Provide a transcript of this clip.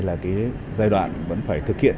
là giai đoạn vẫn phải thực hiện